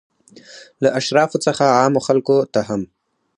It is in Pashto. له اشرافو څخه عامو خلکو ته هم.